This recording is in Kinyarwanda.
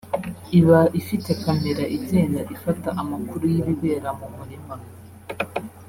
Iba ifite kamera igenda ifata amakuru y’ibibera mu murima